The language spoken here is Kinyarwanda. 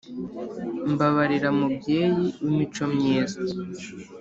mbabarira mubyeyi w’imico myiza